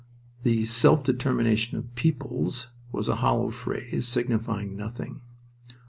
The "self determination of peoples" was a hollow phrase signifying nothing.